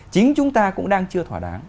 chính chúng ta cũng đang chưa thỏa đáng